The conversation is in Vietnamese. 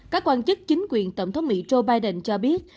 các quan chức chính quyền tổng thống mỹ joe biden cho biết